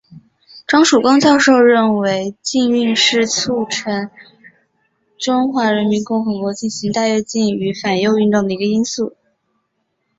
张曙光教授认为禁运是促成中华人民共和国进行大跃进与反右运动的一个因素。